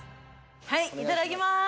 はいいただきます！